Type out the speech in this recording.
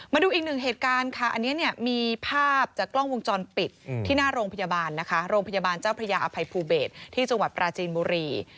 มาดูอีกหนึ่งเหตุการณ์ค่ะอันนี้เนี่ยมีภาพจากกล้องวงจรปิดที่หน้าโรงพยาบาลนะคะโรงพยาบาลเจ้าพระยาอภัยภูเบศที่จังหวัดปราจีนบุรี